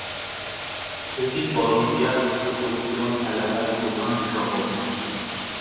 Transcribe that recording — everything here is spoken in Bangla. এটি কলাম্বিয়া মেট্রোপলিটন এলাকার প্রধান শহর।